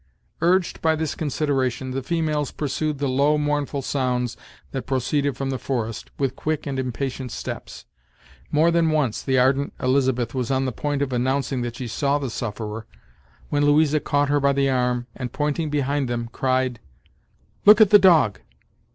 Urged by this consideration, the females pursued the low, mournful sounds, that proceeded from the forest, with quick and impatient steps. More than once, the ardent Elizabeth was on the point of announcing that she saw the sufferer, when Louisa caught her by the arm, and pointing behind them, cried: "Look at the dog!"